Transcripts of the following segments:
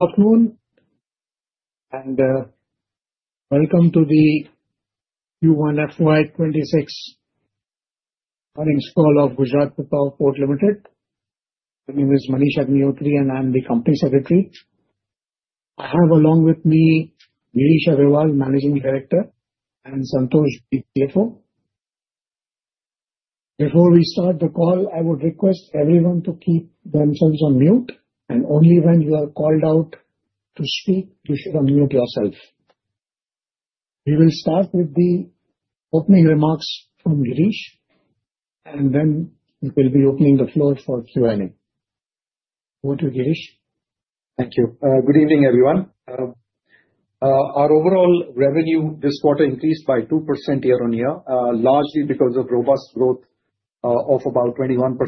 Good afternoon and welcome to the Q1 FY 2026 earnings call of Gujarat Pipavav Port Limited. My name is Manish Agnihotri and I'm the Company Secretary. I have along with me Girish Aggarwal, Managing Director, and Santosh, CFO. Before we start the call, I would request everyone to keep themselves on mute and only when you are called out to speak, you should unmute yourself. We will start with the opening remarks from Girish and then we will be opening the floor for Q&A. Over to Girish. Thank you. Good evening, everyone. Our overall revenue this quarter increased by 2% year on year, largely because of robust growth of about 21%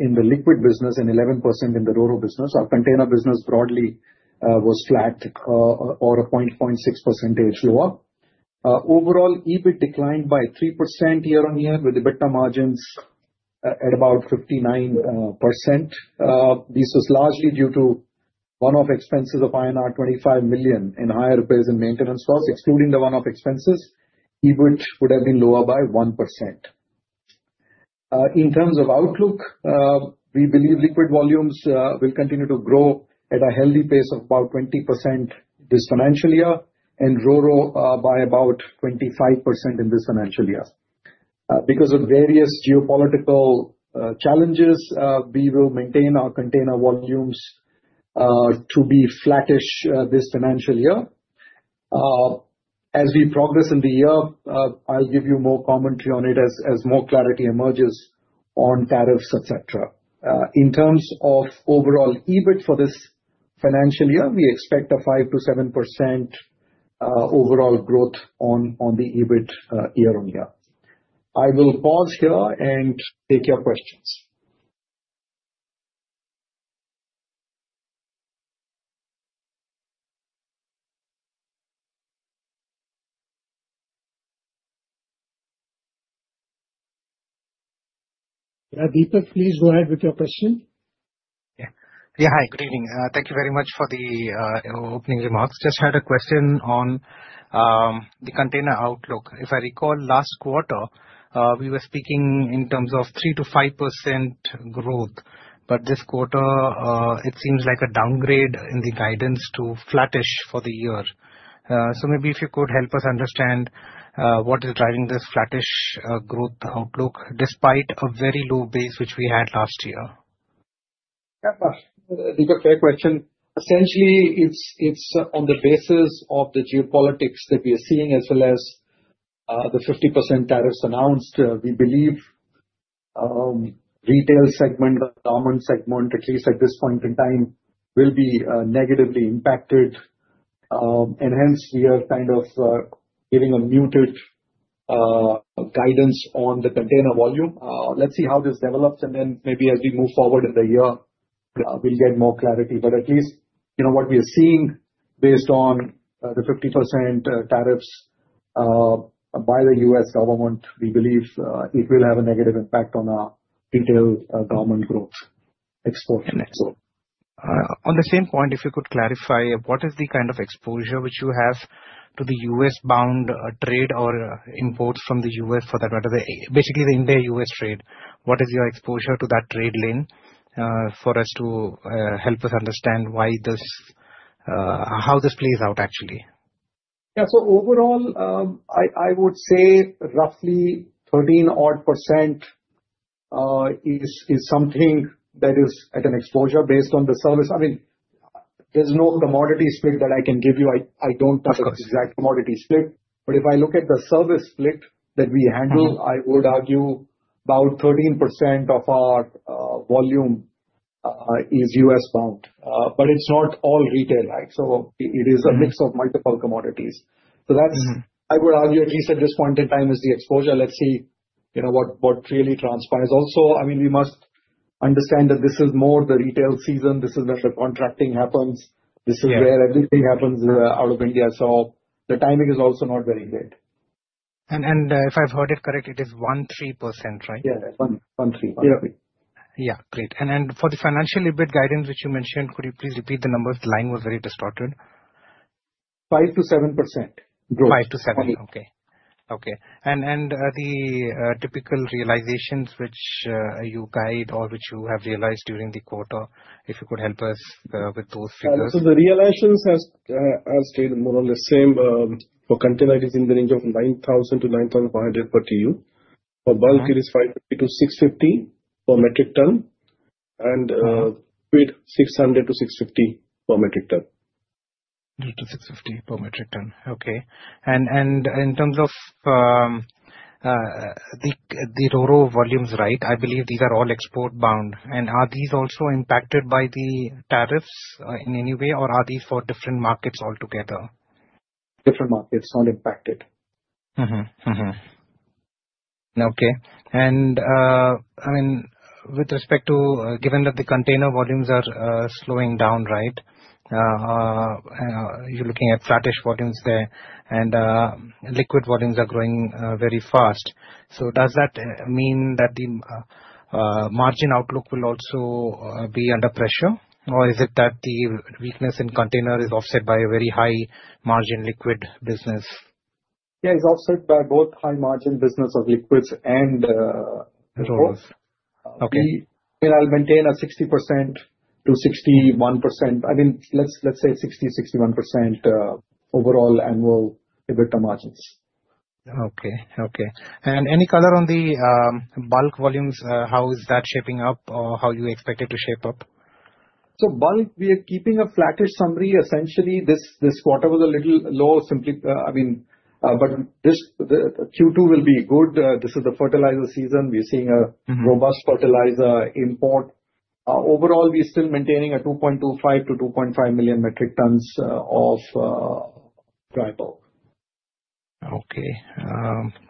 in the liquid business and 11% in the bulk business. Our container business broadly was flat or 0.6% lower. Overall, EBIT declined by 3% year on year with EBITDA margins at about 59%. This was largely due to one-off expenses of INR 25 million and higher repairs and maintenance costs. Excluding the one-off expenses, EBIT would have been lower by 1%. In terms of outlook, we believe liquid volumes will continue to grow at a healthy pace of about 20% this financial year and bulk by about 25% in this financial year. Because of various geopolitical challenges, we will maintain our container volumes to be flattish this financial year. As we progress in the year, I'll give you more commentary on it as more clarity emerges on tariffs, etc. In terms of overall EBIT for this financial year, we expect a 5%-7% overall growth on the EBIT year on year. I will pause here and take your questions. Yeah, Deepesh, please go ahead with your question. Yeah, hi. Good evening. Thank you very much for the opening remarks. Just had a question on the container outlook. If I recall, last quarter we were speaking in terms of 3%-5% growth, but this quarter it seems like a downgrade in the guidance to flattish for the year. Maybe if you could help us understand what is driving this flattish growth outlook despite a very low base which we had last year. Yeah, Deepesh, fair question. Essentially, it's on the basis of the geopolitics that we are seeing as well as the 50% tariffs announced. We believe the retail segment, the garment segment, at least at this point in time, will be negatively impacted, and hence we are kind of giving a muted guidance on the container volume. Let's see how this develops, and then maybe as we move forward in the year, we'll get more clarity. At least, you know, what we are seeing based on the 50% tariffs by the U.S. government, we believe it will have a negative impact on our retail garment growth export. Export. On the same point, if you could clarify what is the kind of exposure which you have to the U.S.-bound trade or imports from the U.S. for that matter, basically the India-U.S. trade, what is your exposure to that trade lane for us to help us understand why this, how this plays out actually? Yeah, so overall, I would say roughly 13% is something that is at an exposure based on the service. I mean, there's no commodity split that I can give you. I don't touch the exact commodity split, but if I look at the service split that we handle, I would argue about 13% of our volume is U.S.-bound. It's not all retail, right? It is a mix of multiple commodities. That, I would argue, at least at this point in time, is the exposure. Let's see what really transpires. Also, we must understand that this is more the retail season. This is where the contracting happens. This is where everything happens out of India. The timing is also not very good. If I've heard it correctly, it is 13%, right? Yeah, yeah, 13%. Yeah, great. For the financial EBIT guidance which you mentioned, could you please repeat the numbers? The line was very distorted. 5%-7% growth. 5%-7%. Okay. Okay. The typical realizations which you guide or which you have realized during the quarter, if you could help us with those figures. The realizations have stayed more on the same. For container, it is in the range of 9,000-9,500 per TEU. For bulk, it is 550-650 per metric ton, with 600-650 per metric ton. 600-650 per metric ton. Okay. In terms of the raw volumes, I believe these are all export-bound. Are these also impacted by the tariffs in any way, or are these for different markets altogether? Different markets are not impacted. Okay. With respect to given that the container volumes are slowing down, right, you're looking at flattish volumes there, and liquid volumes are growing very fast. Does that mean that the margin outlook will also be under pressure, or is it that the weakness in container is offset by a very high margin liquid business? Yeah, it's offset by both high margin business of liquids and RoRo. Both. Okay. I'll maintain a 60%-61%. I mean, let's say 60%, 61% overall annual EBITDA margins. Okay. Okay. Any color on the bulk volumes? How is that shaping up or how do you expect it to shape up? Bulk, we are keeping a flattish summary. Essentially, this quarter was a little low. I mean, this Q2 will be good. This is the fertilizer season. We're seeing a robust fertilizer import. Overall, we're still maintaining a 2.25 million-2.5 million metric tons of dry bulk. Okay.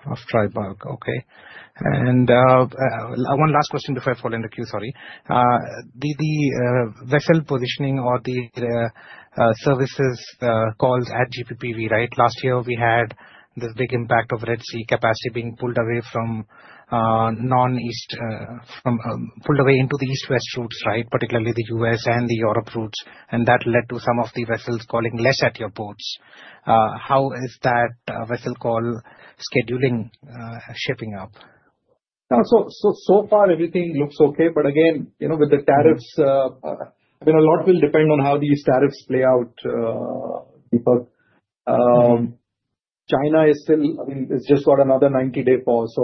Of dry bulk. One last question before I fall in the queue, sorry. The vessel positioning or the services calls at GPPL, right? Last year, we had this big impact of Red Sea capacity being pulled away from non-East, pulled away into the East-West routes, particularly the U.S. and the Europe routes. That led to some of the vessels calling less at your ports. How is that vessel call scheduling shaping up? So far, everything looks okay. Again, with the tariffs, a lot will depend on how these tariffs play out, Deepesh. China is still, I mean, it's just got another 90-day pause.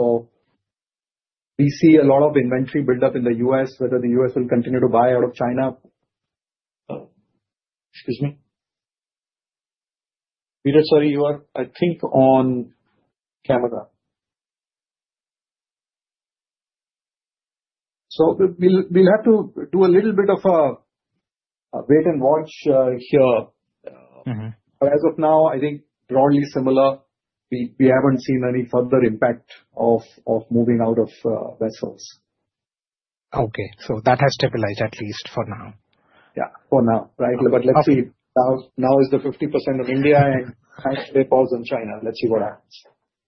We see a lot of inventory buildup in the U.S., whether the U.S. will continue to buy out of China. Excuse me. Sorry, you are, I think, on camera. We'll have to do a little bit of a wait and watch here. As of now, I think broadly similar. We haven't seen any further impact of moving out of vessels. Okay, that has stabilized at least for now. Yeah, for now, right? Let's see. Now is the 50% of India and has to take pause in China. Let's see what happens.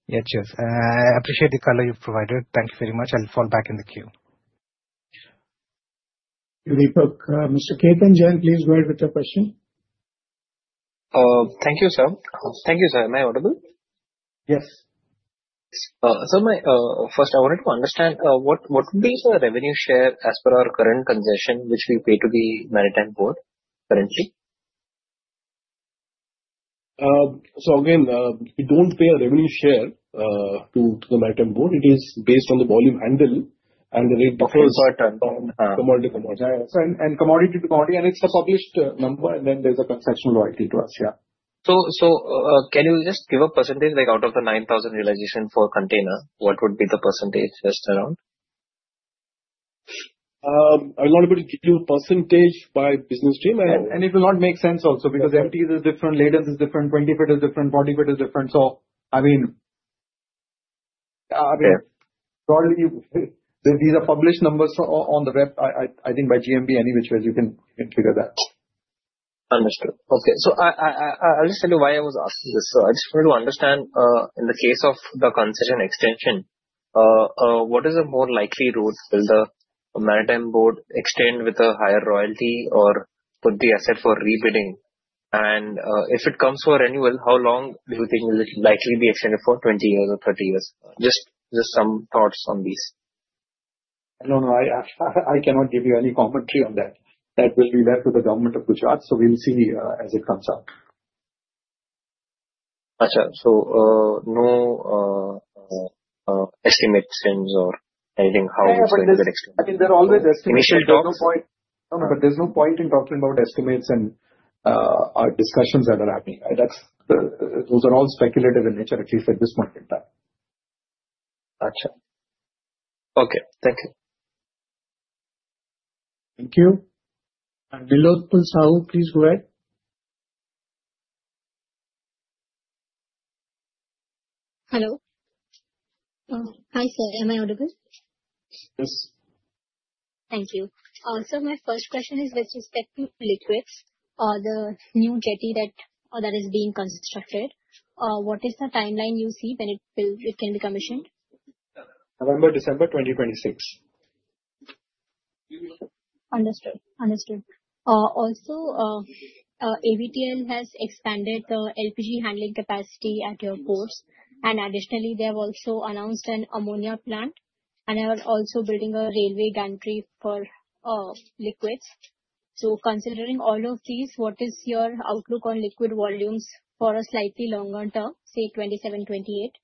Yeah, cheers. I appreciate the color you've provided. Thanks very much. I'll fall back in the queue. Thank you, Deepesh. Mr. Ketan Jain, please go ahead with your question. Thank you, sir. Thank you, sir. Am I audible? Yes. Sir, my first, I wanted to understand what would be the revenue share as per our current concession, which we pay to the Maritime Board currently? We don't pay a revenue share to the Maritime Board. It is based on the volume handled and the way buckets are turned on commodity to commodity. It's the published number, and then there's a concessional royalty to us. Can you just give a percentage, like out of the 9,000 realizations for a container, what would be the percentage just around? I'm not able to give you a percentage by business stream, and it will not make sense also because metric tons is different, latent is different, 20-foot is different, 40-foot is different. These are published numbers on the web. I think by Gujarat Maritime Board, any which way you can figure that. Understood. I just wanted to understand in the case of the concession extension, what is the more likely road still, the Maritime Board extend with a higher royalty or put the asset for rebidding? If it comes for renewal, how long do you think will it likely be extended for, 20 years or 30 years? Just some thoughts on these. I don't know. I cannot give you any commentary on that. That will be left with the Government of Gujarat. We'll see as it comes out. Gotcha. No estimates change or anything? Yeah, there's always estimates. We should. There is no point in talking about estimates and our discussions that are happening. Those are all speculative in nature, at least at this point in time. Gotcha. Okay. Thank you. Thank you. Vilootpul Sawu, please go ahead. Hello. Hi, sir. Am I audible? Yes. Thank you. Sir, my first question is with respect to liquids, the new jetty that is being constructed. What is the timeline you see when it can be commissioned? November, December 2026. Understood. AVTL has expanded the LPG handling capacity at your ports. Additionally, they have also announced an ammonia plant, and they are also building a railway gantry for liquids. Considering all of these, what is your outlook on liquid volumes for a slightly longer term, say 2027, 2028? Oh,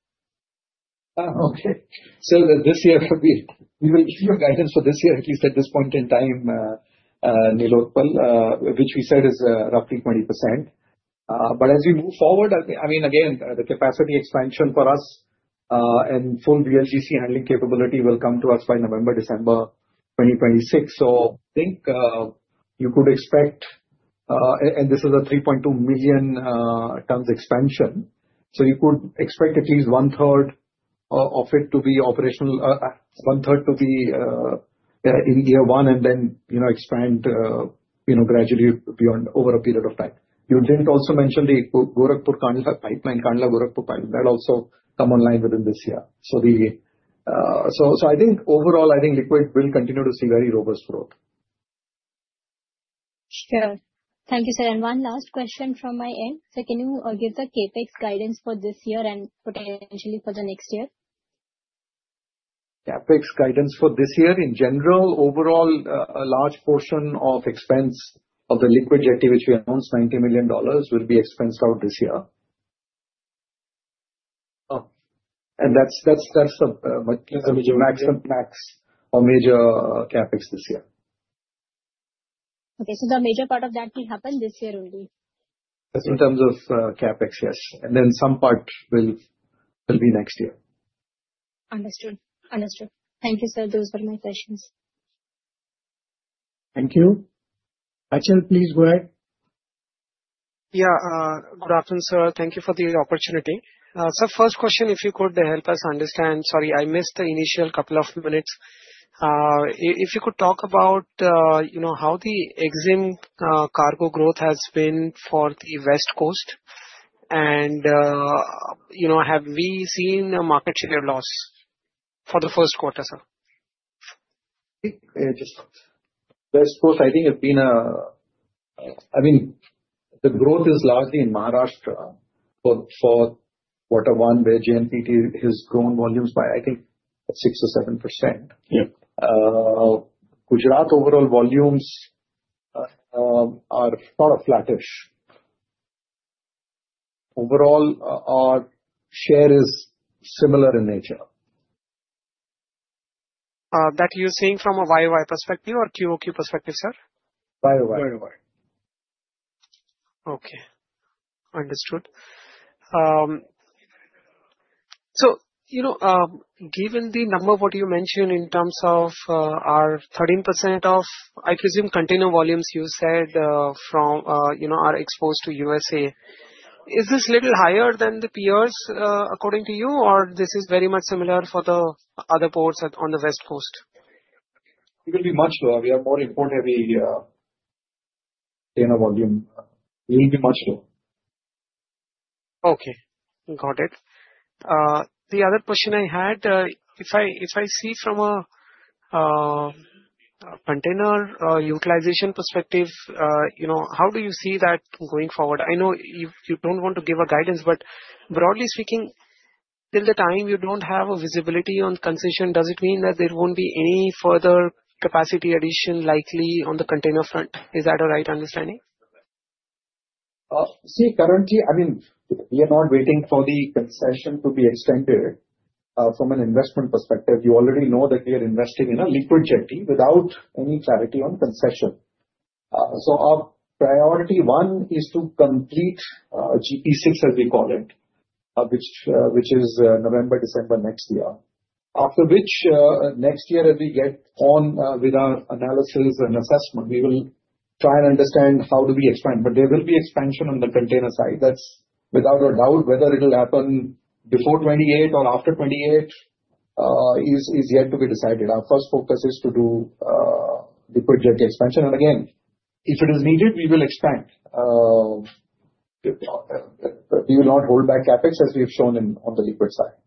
okay. This year, we will issue a guidance for this year, at least at this point in time, Nilotpul, which we said is roughly 20%. As we move forward, the capacity expansion for us and full VLGC handling capability will come to us by November, December 2026. I think you could expect, and this is a 3.2 million tons expansion, you could expect at least one-third of it to be operational, one-third to be in year one, and then expand gradually beyond over a period of time. You didn't also mention the Gorakhpur Kandla pipeline, Kandla-Gorakhpur pipeline. That also comes online within this year. I think overall, liquid will continue to see very robust growth. Thank you, sir. One last question from my end. Can you give the CapEx guidance for this year and potentially for the next year? CapEx guidance for this year, in general, overall, a large portion of expense of the liquid jetty, which we announced, $90 million will be expensed out this year. That's the max for major CapEx this year. Okay, the major part of that will happen this year only? That's in terms of CapEx, yes. Some part will be next year. Understood. Thank you, sir. Those were my questions. Thank you. Ajal, please go ahead. Good afternoon, sir. Thank you for the opportunity. Sir, first question, if you could help us understand, I missed the initial couple of minutes. If you could talk about how the exim cargo growth has been for the West Coast, and have we seen a market share loss for the first quarter, sir? West Coast, I think, has been a, I mean, the growth is largely in Maharashtra for quarter one, where GMPT has grown volumes by, I think, 6%-7%. Gujarat overall volumes are sort of flattish. Overall, our share is similar in nature. that you're saying from a YoY perspective or QOQ perspective, sir? YoY. YoY. Okay. Understood. Given the number of what you mentioned in terms of our 13% of, I presume, container volumes you said from, you know, are exposed to U.S., is this a little higher than the peers according to you, or is this very much similar for the other ports on the West Coast? It will be much lower. We have more import-heavy container volume. It will be much lower. Okay. Got it. The other question I had, if I see from a container utilization perspective, you know, how do you see that going forward? I know you don't want to give a guidance, but broadly speaking, till the time you don't have a visibility on concession, does it mean that there won't be any further capacity addition likely on the container front? Is that a right understanding? See, currently, we are not waiting for the concession to be extended. From an investment perspective, you already know that we are investing in a liquid jetty without any clarity on concession. Our priority one is to complete GP6, as we call it, which is November, December next year. After that, next year, as we get on with our analysis and assessment, we will try and understand how do we expand. There will be expansion on the container side, that's without a doubt. Whether it will happen before 2028 or after 2028 is yet to be decided. Our first focus is to do liquid jetty expansion. If it is needed, we will expand. We will not hold back CapEx as we have shown on the liquid side.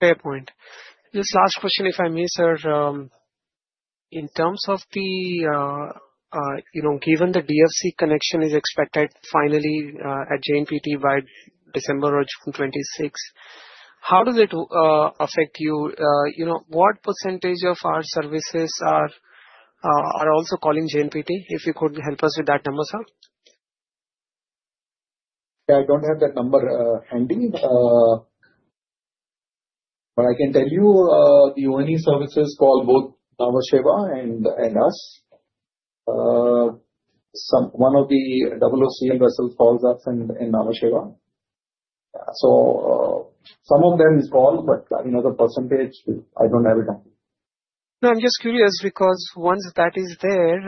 Fair point. Just last question, if I may, sir. In terms of the, you know, given the DFC connection is expected finally at JNPT by December or June 2026, how does it affect you? You know, what % of our services are also calling JNPT? If you could help us with that number, sir? Yeah, I don't have that number handy. I can tell you the only services call both [Namasheva] and us. One of the WOC and vessels calls us and [Namasheva]. Some of them call, but the percentage, I don't have it on. No, I'm just curious because once that is there,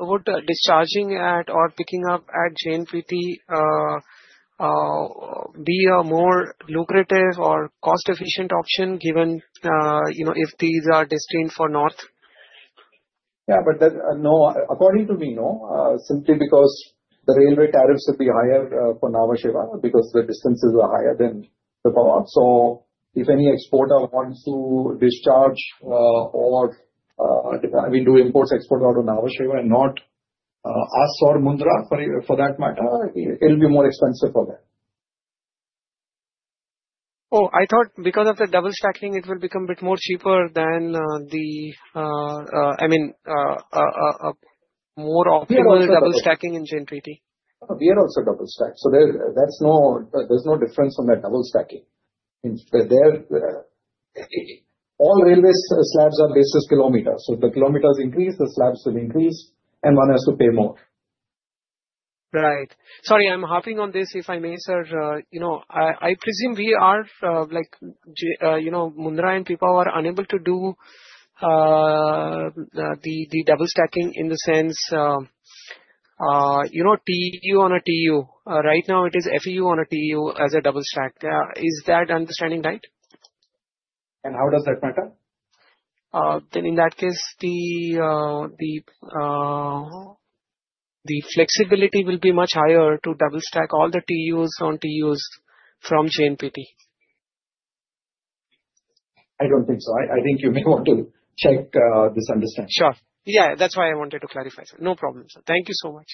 would discharging at or picking up at JNPT be a more lucrative or cost-efficient option given, you know, if these are destined for north? Yeah, no, according to me, no, simply because the railway tariffs will be higher for [Namasheva] because the distances are higher than the north. If any exporter wants to discharge or, I mean, do imports export out of [Namasheva] and not us or Mundra, for that matter, it'll be more expensive for them. Oh, I thought because of the double stacking, it will become a bit more cheaper than the, I mean, more optimal double stacking in JNPT. We are also double stacked. There's no difference on that double stacking. All railway slabs are basis kilometers. If the kilometers increase, the slabs will increase, and one has to pay more. Right. Sorry, I'm harping on this if I may, sir. I presume we are, like, you know, Mundra and Pipavav are unable to do the double stacking in the sense, you know, TEU on a TEU. Right now, it is FEU on a TEU as a double stack. Is that understanding right? How does that matter? In that case, the flexibility will be much higher to double stack all the TUs on TUs from JNPT. I don't think so. I think you may want to check this understanding. Sure, that's why I wanted to clarify, sir. No problem, sir. Thank you so much.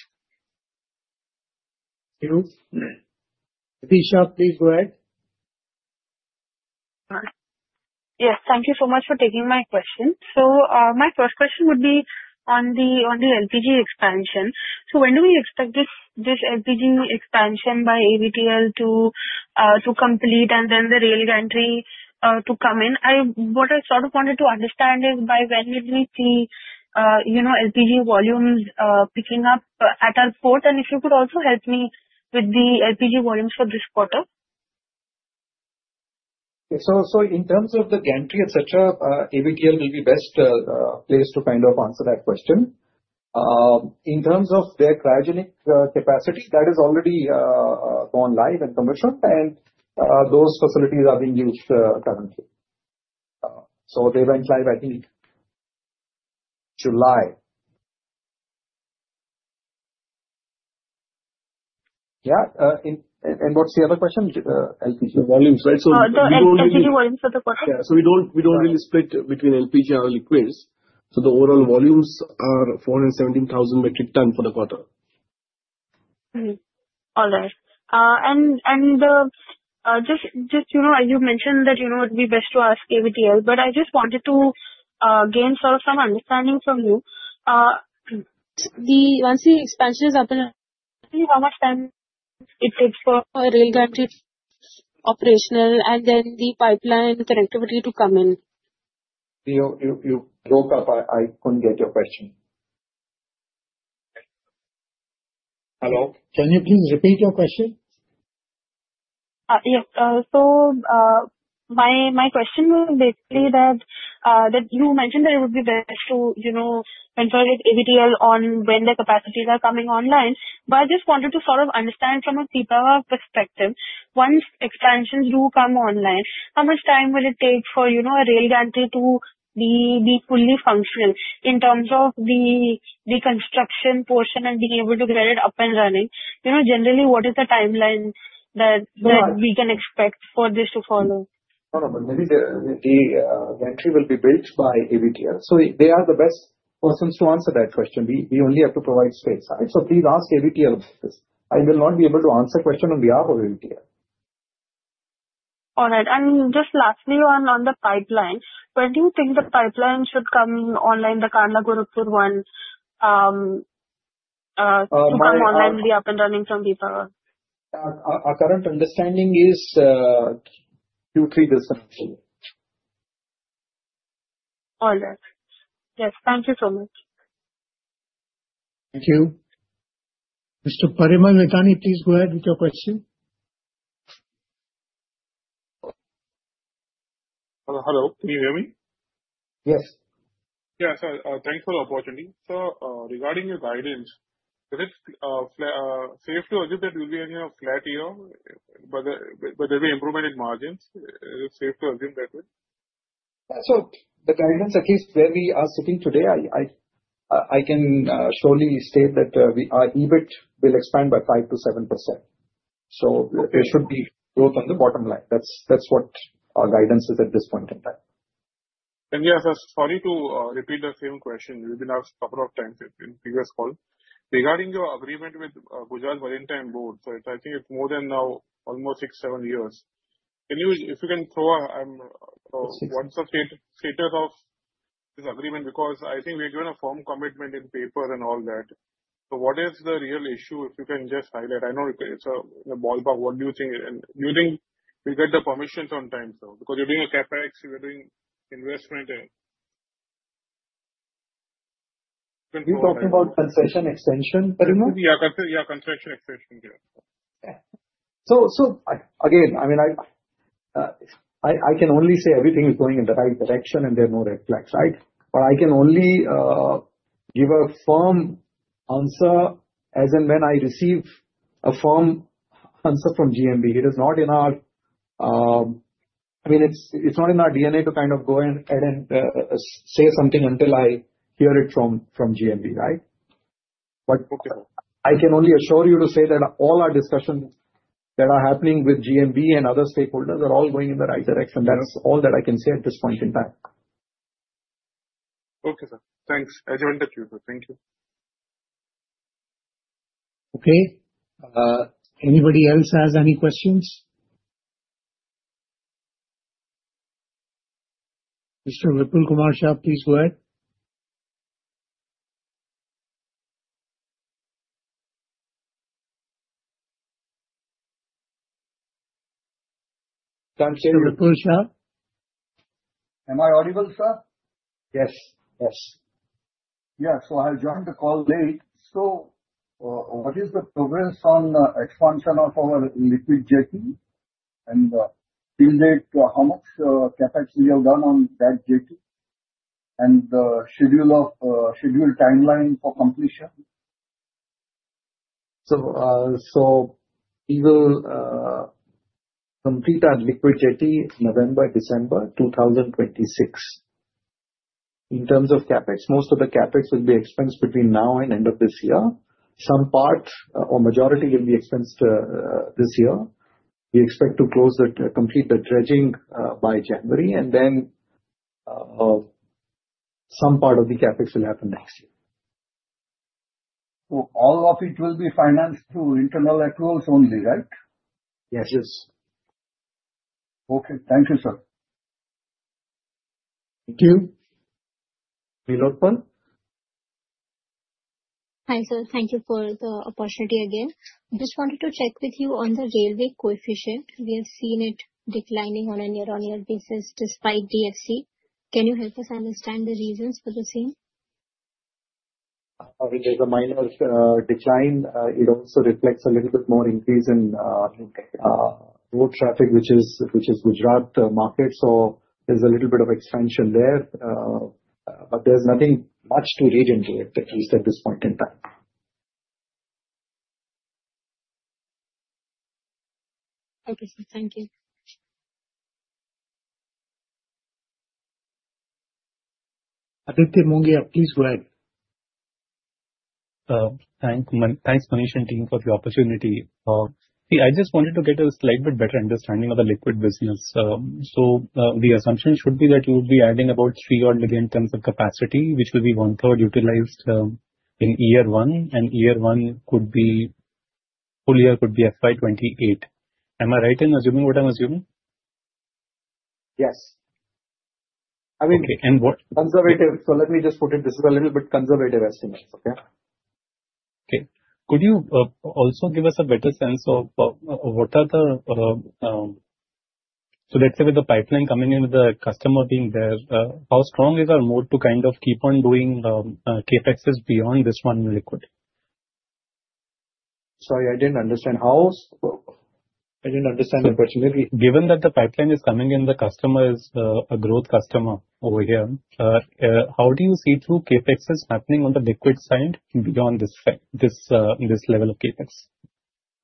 Thank you. [Deepesh], please go ahead. Yes. Thank you so much for taking my question. My first question would be on the LPG expansion. When do we expect this LPG expansion by AVTL to complete, and then the rail gantry to come in? What I sort of wanted to understand is by when will we see LPG volumes picking up at our port? If you could also help me with the LPG volumes for this quarter. Yeah. In terms of the gantry, etc., AVTL will be the best place to kind of answer that question. In terms of their cryogenic capacity, that has already gone live and commissioned, and those facilities are being used currently. They went live, I think, July. What's the other question? LPG volumes, right? Sorry, the LPG volumes for the quarter. Yeah, we don't really split between LPG and our liquids. The overall volumes are 417,000 metric tons for the quarter. All right. You mentioned that you know it would be best to ask AVTL, but I just wanted to gain some understanding from you. Once the expansion is happening, only one of them is for rail gantry operational and then the pipeline connectivity to come in? You broke up. I couldn't get your question. Hello, can you please repeat your question? Yeah, my question was basically that you mentioned that it would be best to, you know, consult with AVTL on when the capacities are coming online. I just wanted to sort of understand from a Pipavav perspective, once expansions do come online, how much time will it take for a rail gantry to be fully functional in terms of the construction portion and being able to get it up and running? Generally, what is the timeline that we can expect for this to follow? No, no. Maybe the gantry will be built by AVTL. They are the best persons to answer that question. We only have to provide space, right? Please ask AVTL about this. I will not be able to answer a question on behalf of AVTL. All right. Just lastly, on the pipeline, when do you think the pipeline should come online, the Kandla-Gorakhpur one, to come online and be up and running from Pipavav? Our current understanding is Q3 this semester. All right. Yes, thank you so much. Thank you. Mr. Parimal Nathwani, please go ahead with your question. Hello, can you hear me? Yes. Yeah, thanks for the opportunity. Sir, regarding your guidance, is it safe to assume that we'll be in a flat year? Will there be improvement in margins? Is it safe to assume that way? Yeah. The guidance, at least where we are sitting today, I can surely state that our EBIT will expand by 5%-7%. It should be growth on the bottom line. That's what our guidance is at this point in time. Yes, sorry to repeat the same question. We've been asked a couple of times in previous calls. Regarding your agreement with Gujarat Maritime Board, I think it's now almost six, seven years. If you can throw out one certain status of this agreement because I think we've done a formal commitment in paper and all that. What is the real issue if you can just highlight? I know it's a ballpark. What do you think? Do you think we get the commission on time though? Because you're doing a CapEx, you're doing investment. Are you talking about concession extension, Parimal? Yeah, concession extension. I can only say everything is going in the right direction and there are no red flags, right? I can only give a firm answer as and when I receive a firm answer from GMB. It is not in our DNA to go ahead and say something until I hear it from GMB, right? I can only assure you to say that all our discussions that are happening with GMB and other stakeholders are all going in the right direction. That is all that I can say at this point in time. Okay, sir. Thanks. I'll hand it to you, sir. Thank you. Okay. Anybody else has any questions? Mr. Ripple Kumar Shah, please go ahead. I'm Chair Ripple Shah. Am I audible, sir? Yes. Yes. Yeah, I joined the call late. What is the progress on the expansion of our liquid jetty? How much CapEx have we done on that jetty, and the schedule or timeline for completion? We will complete our liquid jetty in November, December 2026. In terms of CapEx, most of the CapEx will be expensed between now and end of this year. Some parts or majority will be expensed this year. We expect to complete the dredging by January, and then some part of the CapEx will happen next year. All of it will be financed through internal accruals only, right? Yes. Okay. Thank you, sir. Thank you. Vilootpal. Hi, sir. Thank you for the opportunity again. Just wanted to check with you on the railway coefficient. We have seen it declining on a year-on-year basis despite DFC. Can you help us understand the reasons for the same? I mean, there's a minor decline. It also reflects a little bit more increase in road traffic, which is Gujarat market. There's a little bit of expansion there, but there's nothing much to read into at the fees at this point in time. Okay, sir. Thank you. Aditya Mongia, please go ahead. Thanks, Manish and team, for the opportunity. I just wanted to get a slight bit better understanding of the liquid business. The assumption should be that you would be adding about 3 million in terms of capacity, which will be one-third utilized in year one, and year one could be full year, could be FY 2028. Am I right in assuming what I'm assuming? Yes. I mean, what conservative. Let me just put it. This is a little bit conservative estimate. Okay. Could you also give us a better sense of what are the, let's say with the pipeline coming in, with the customer being there, how strong is our mood to kind of keep on doing CapExes beyond this one liquid? Sorry, I didn't understand. How? I didn't understand the question. Given that the pipeline is coming in, the customer is a growth customer over here, how do you see CapExes happening on the liquid side beyond this level of CapEx?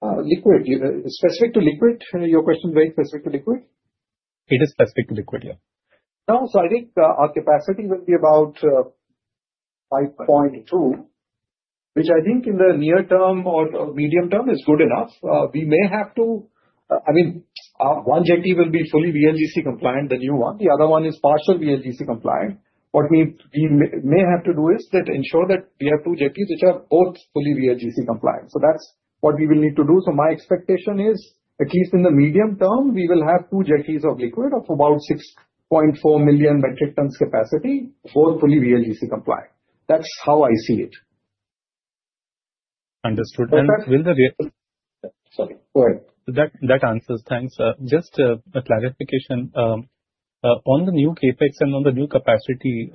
Liquid, specific to liquid? Your question is very specific to liquid? It is specific to liquid, yeah. I think our capacity will be about 5.2, which I think in the near term or medium term is good enough. We may have to, I mean, one jetty will be fully VLGC compliant, the new one. The other one is partial VLGC compliant. What we may have to do is ensure that we have two jetties which are both fully VLGC compliant. That's what we will need to do. My expectation is at least in the medium term, we will have two jetties of liquid of about 6.4 million metric tons capacity for fully VLGC compliant. That's how I see it. Understood. And. Sorry. Go ahead. That answers. Thanks. Just a clarification. On the new CapEx and on the new capacity,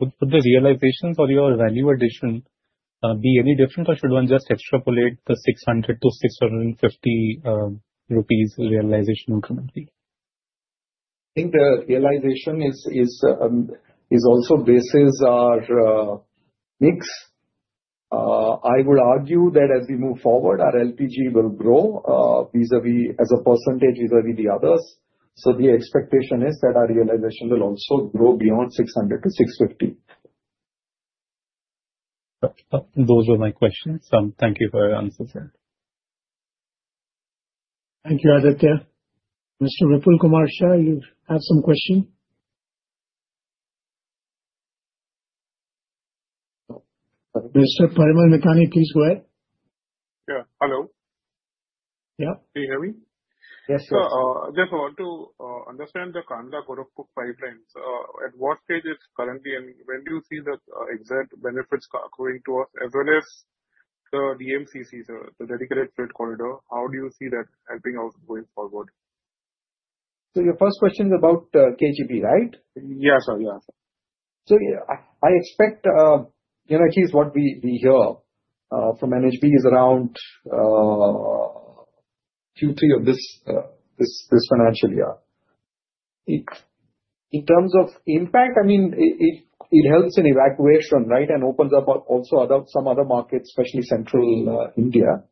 would the realization for your value addition be any different, or should one just extrapolate the 600-650 rupees realization incrementally? I think the realization is also based on our mix. I would argue that as we move forward, our LPG will grow as a percent compared to the others. The expectation is that our realization will also grow beyond 600-650. Those were my questions. Thank you for your answers, sir. Thank you, Aditya. Mr. Ripple Kumar Shah, you have some questions? Mr. Parimal Nathan, please go ahead. Yeah. Hello. Yeah. Can you hear me? Yes, sir. Sir, I just want to understand the Kandla-Gorakhpur pipeline. At what stage is it currently, and when do you see the exact benefits going to us as well as the DMCC, the dedicated freight corridor? How do you see that helping us going forward? Your first question is about the KG pipeline, right? Yeah, sir. Yeah, sir. I expect, you know, at least what we hear from NHP is around Q3 of this financial year. In terms of impact, I mean, it helps in evacuation, right, and opens up also some other markets, especially Central India.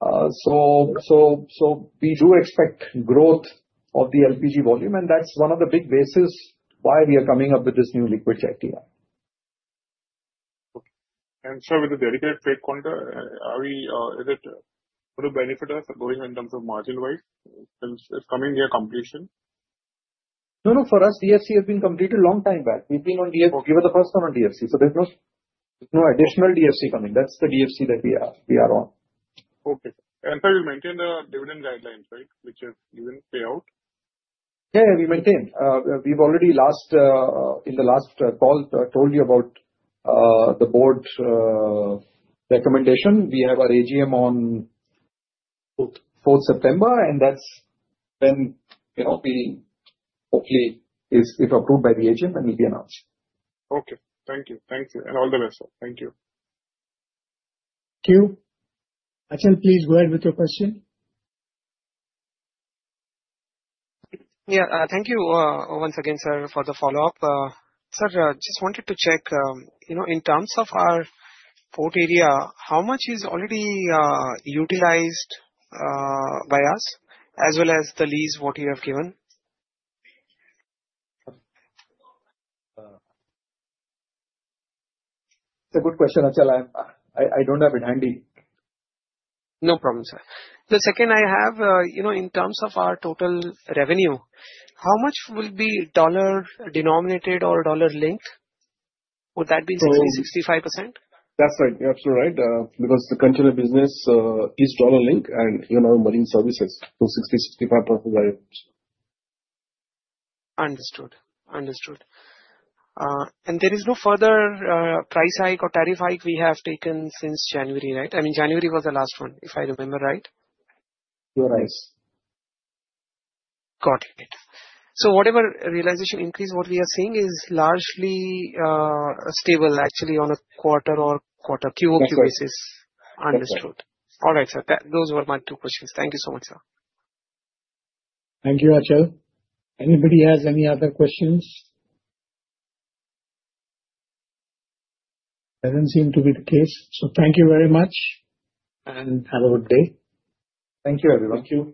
We do expect growth of the LPG volume, and that's one of the big bases why we are coming up with this new liquid jetty. Okay. Sir, with the dedicated freight corridor, is it going to benefit us in terms of margin-wise since it's coming near completion? No, no. For us, DFC has been completed a long time back. We've been on DFC, we were the first one on DFC. There's no additional DFC coming. That's the DFC that we are on. Okay. Sir, you maintain the dividend guidelines, right, which you didn't pay out? Yeah, we maintain. We've already in the last call told you about the board's recommendation. We have our AGM on 4th September, and that's when we hopefully, if approved by the AGM, then we'll be announced. Okay. Thank you. Thank you and all the best, sir. Thank you. Thank you. Thank you once again, sir, for the follow-up. Sir, I just wanted to check, in terms of our port area, how much is already utilized by us as well as the leads you have given? It's a good question, Ajal. I don't have it handy. No problem, sir. The second I have, in terms of our total revenue, how much will be dollar denominated or dollar linked? Would that be 60%, 65%? That's right. That's right. Because the container business is dollar link, and you know marine services, so 60%, 65%. Understood. There is no further price hike or tariff hike we have taken since January, right? January was the last one, if I remember right. You're right. Got it. Whatever realization increase, what we are seeing is largely stable, actually, on a quarter-on-quarter, QOQ, basis. QOQ. Understood. All right, sir. Those were my two questions. Thank you so much, sir. Thank you, Ajal. Anybody has any other questions? It doesn't seem to be the case. Thank you very much, and have a good day. Thank you, everyone.